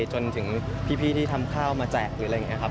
จนถึงพี่ที่ทำข้าวมาแจกหรืออะไรอย่างนี้ครับ